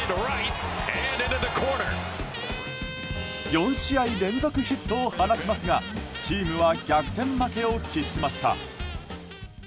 ４試合連続ヒットを放ちますがチームは逆転負けを喫しました。